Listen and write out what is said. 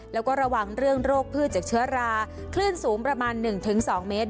แล้วก็ระวังเรื่องโรคพืชจากเชื้อราคลื่นสูงประมาณ๑๒เมตร